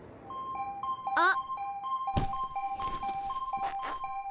あっ。